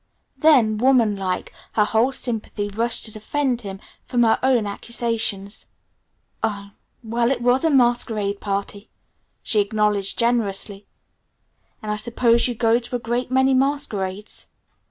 Then, woman like, her whole sympathy rushed to defend him from her own accusations. "Oh, well, it was at a masquerade party," she acknowledged generously, "and I suppose you go to a great many masquerades."